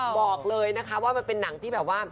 บอกเลยนะคะว่ามันเป็นหนังที่แบบว่า